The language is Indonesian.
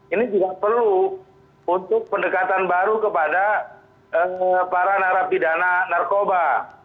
ini juga perlu untuk pendekatan baru kepada para narapidana narkoba